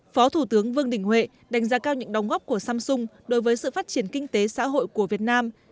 phó thủ tướng vương đình huệ đánh giá cao những đóng góp của samsung đối với sự phát triển kinh tế xã hội của việt nam